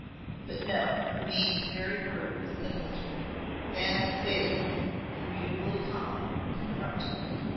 But no, for me the very word was sinister. Vanna's face, immutably calm, confronted it.